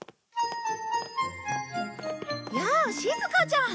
やあしずかちゃん。